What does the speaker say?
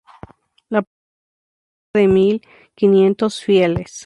La parroquia tiene cerca de mil quinientos fieles.